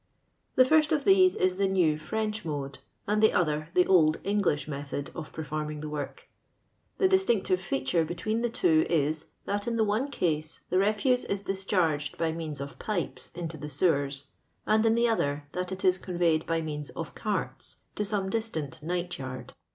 The first of these is the now French mode, a>id the other the old English method of per. forming tho work. The ^Unctive feature be tween me two is, that in the one ease the refuse ia discharged by means of pipes iAto the sewers, and in the other that it is conveyed by means of carts to some distant night yard.